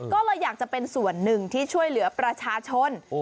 ก็เลยอยากจะเป็นส่วนหนึ่งที่ช่วยเหลือประชาชน